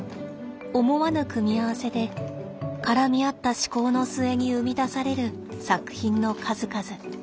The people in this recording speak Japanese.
思わぬ組み合わせで絡み合った思考の末に生み出される作品の数々。